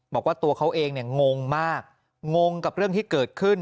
บอกว่าตัวเขาเองงงมากงงกับเรื่องที่เกิดขึ้น